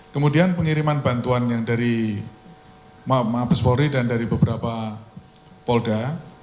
kemudian pengiriman bantuan yang dari mabes polri dan dari beberapa polda